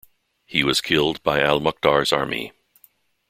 He was killed by Al-Mukhtar's army.